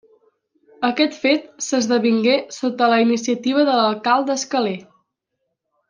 Aquest fet s'esdevingué sota la iniciativa de l'alcalde Escalé.